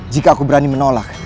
jika aku berani menolak